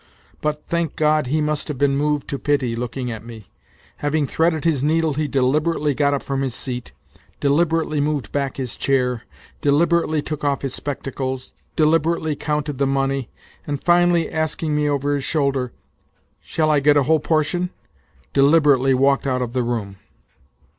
But, thank God, he must have been moved to pity, looking at me. Having threaded his needle he deliberately got up from his seat, deliberately moved back his chair, deliber ately took off his spectacles, deliberately counted the money, and finally asking me over his shoulder :" Shall I get a whole portion?" deliberately walked out of the room.